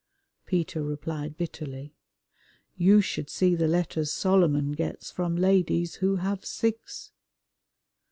Peter replied bitterly, "You should see the letters Solomon gets from ladies who have six."